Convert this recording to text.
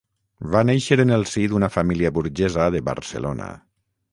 Va néixer en el si d'una família burgesa de Barcelona.